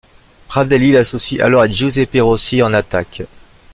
Prandelli l'associe alors à Giuseppe Rossi en attaque.